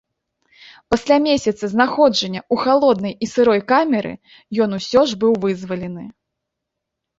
Пасля месяца знаходжання ў халоднай і сырой камеры, ён усё ж быў вызвалены.